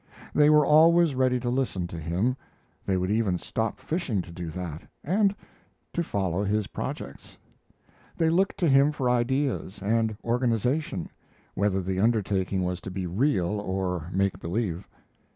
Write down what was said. They were always ready to listen to him they would even stop fishing to do that and to follow his projects. They looked to him for ideas and organization, whether the undertaking was to be real or make believe.